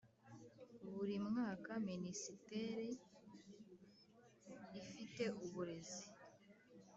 Buri mwaka minisiteri ifite uburezi